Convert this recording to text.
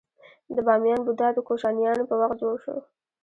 د بامیان بودا د کوشانیانو په وخت جوړ شو